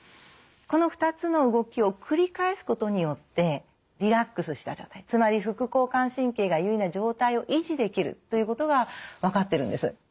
この２つの動きをくり返すことによってリラックスした状態つまり副交感神経が優位な状態を維持できるということが分かってるんです。